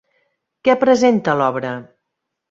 Què presenta l'obra?